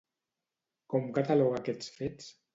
Com cataloga aquests fets?